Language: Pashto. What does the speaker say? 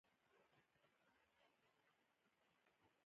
زما په دوستۍ باور نه درلود.